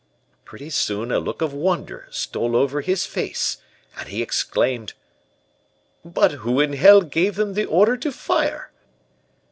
"Pretty soon a look of wonder stole over his face, and he exclaimed: "'But who in hell gave them the order to fire.